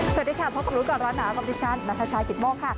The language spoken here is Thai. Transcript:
สวัสดีค่ะพบกันรู้กับร้านหนาอัปริชานักภัยชายคิดโม่ค่ะ